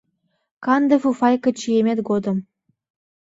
Канде фуфайкым чийымет годым